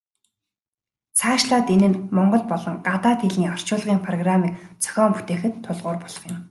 Цаашлаад энэ нь монгол болон гадаад хэлний орчуулгын программыг зохион бүтээхэд тулгуур болох юм.